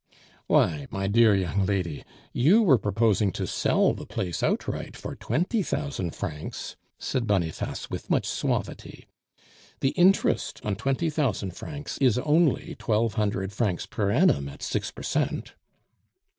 "Why, my dear young lady, you were proposing to sell the place outright for twenty thousand francs," said Boniface with much suavity. "The interest on twenty thousand francs is only twelve hundred francs per annum at six per cent."